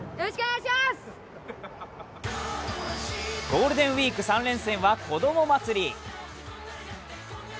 ゴールデンウイーク３連戦はこどもまつり。